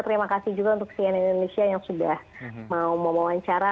terima kasih juga untuk cnn indonesia yang sudah mau mewawancara